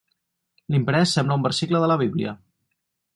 L'imprès sembla un versicle de la Bíblia.